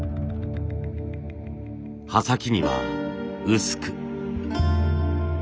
刃先には薄く。